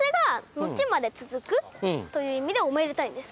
という意味でおめでたいんです。